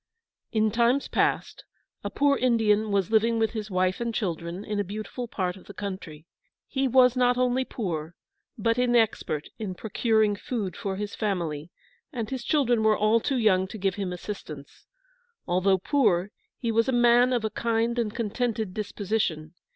In Times past, a poor Indian was living with his wife and children in a beautiful part of the country. He was not only poor, but inexpert in procuring food for his family, and his children were all too young to give him assistance. Although poor, he was a man of a kind and contented disposition.